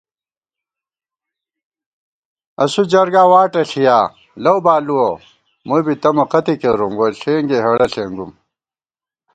اسُو جرگا واٹہ ݪِیا، لَؤ بالُوَہ ، مُوئی بی تمہ قَتےکېرُم ووݪېنگےہېڑہ ݪېنگُوم